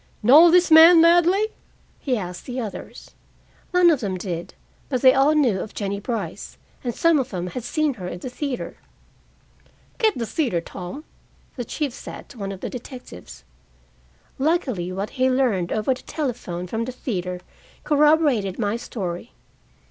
"Know this man Ladley?" he asked the others. None of them did, but they all knew of Jennie Brice, and some of them had seen her in the theater. "Get the theater, Tom," the chief said to one of the detectives. Luckily, what he learned over the telephone from the theater corroborated my story.